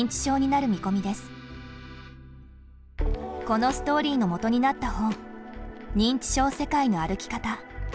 このストーリーのもとになった本「認知症世界の歩き方」。